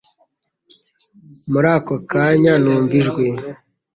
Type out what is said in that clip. Muri ako kanya numva ijwi